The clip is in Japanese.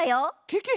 ケケ！